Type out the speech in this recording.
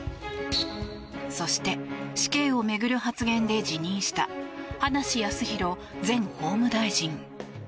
そして死刑を巡る発言で辞任した葉梨康弘前法務大臣。